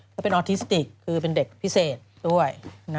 แล้วเป็นออทิสติกคือเป็นเด็กพิเศษด้วย